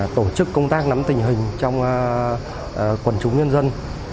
tổ chức công tác nắm tình hình trong quần chúng nhân dân